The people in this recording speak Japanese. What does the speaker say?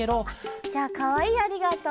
じゃあかわいい「ありがとう」